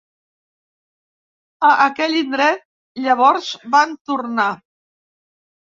A aquell indret, llavors, van tornar.